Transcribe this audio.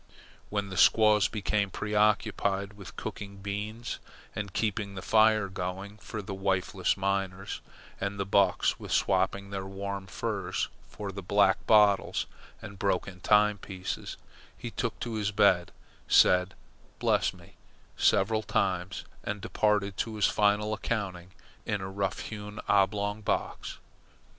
When the squaws became preoccupied with cooking beans and keeping the fire going for the wifeless miners, and the bucks with swapping their warm furs for black bottles and broken time pieces, he took to his bed, said "Bless me" several times, and departed to his final accounting in a rough hewn, oblong box.